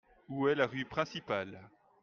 Où est la rue principale ?